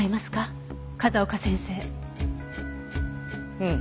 うん。